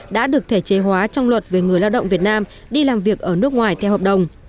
đã được thể chế hóa trong luật về người lao động việt nam đi làm việc ở nước ngoài theo hợp đồng